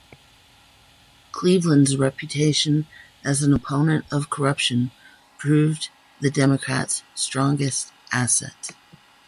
Cleveland's reputation as an opponent of corruption proved the Democrats' strongest asset.